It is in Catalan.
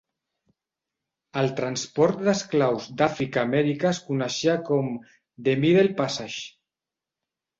El transport d'esclaus d'Àfrica a Amèrica es coneixia com The Middle Passage.